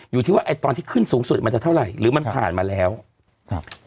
อยู่ที่ว่าไอ้ตอนที่ขึ้นสูงสุดมันจะเท่าไหร่หรือมันผ่านมาแล้วครับ